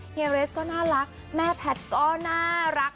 เฮีเรสก็น่ารักแม่แพทย์ก็น่ารัก